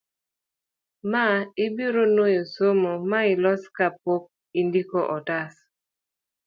ma ibiro nwoyo somo ma ilos ka pok indiko otas